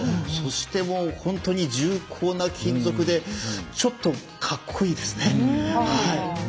そして、本当に重厚な金属でちょっと、かっこいいですね。